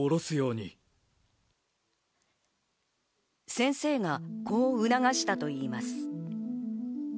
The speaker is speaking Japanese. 先生がこう促したといいます。